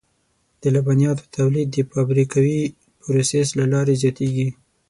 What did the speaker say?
د لبنیاتو تولید د فابریکوي پروسس له لارې زیاتېږي.